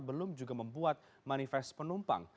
belum juga membuat manifest penumpang